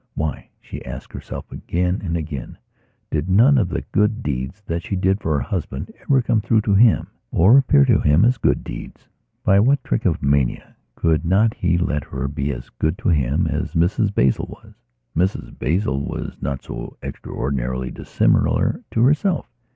Why, she asked herself again and again, did none of the good deeds that she did for her husband ever come through to him, or appear to him as good deeds? By what trick of mania could not he let her be as good to him as Mrs Basil was? Mrs Basil was not so extraordinarily dissimilar to herself.